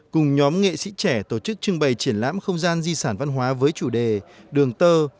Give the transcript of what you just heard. cùng nhóm nghệ sĩ trẻ tổ chức trưng bày triển lãm không gian di sản văn hóa với chủ đề đường tơ